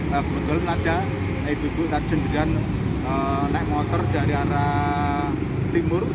nah betul saja itu tuh tajam jalan naik motor dari arah timur